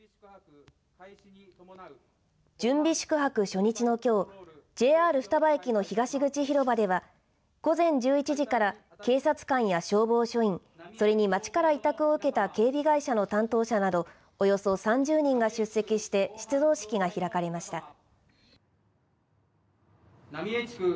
準備宿泊初日のきょうＪＲ双葉駅の東口広場では午前１１時から警察官や消防署員それに町から委託を受けた警備会社の担当者などおよそ３０人が出席して出動式が開かれました。